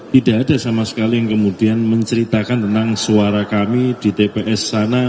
tidak ada sama sekali yang kemudian menceritakan tentang suara kami di tps sana